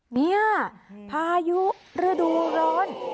เนี่ยพายุฤดูร้อน